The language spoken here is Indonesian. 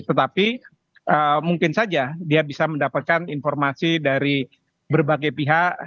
tetapi mungkin saja dia bisa mendapatkan informasi dari berbagai pihak